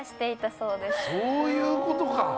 そういうことか。